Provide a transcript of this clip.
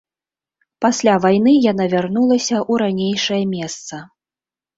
Пасля вайны яна вярнулася ў ранейшае месца.